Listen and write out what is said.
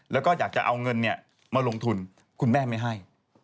แล้วก็อยากจะเอาเงินมาลงทุนคุณแม่ไม่ให้